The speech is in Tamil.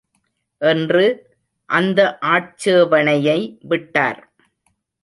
என்று, அந்த ஆட்சேபணையை விட்டார்.